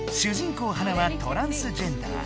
こうハナはトランスジェンダー。